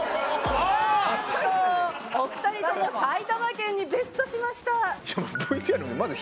なんとお二人とも埼玉県にＢＥＴしました。